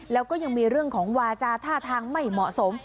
แล้วก็ยังมีเรื่องของวาจาท่าทางไม่เหมาะสม